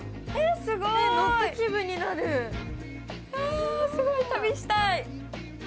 あすごい旅したい。